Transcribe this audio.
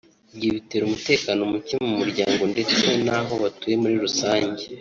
Ibyo bitera umutekano muke mu muryango ndetse n’aho batuye muri rusange